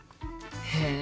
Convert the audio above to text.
へえ！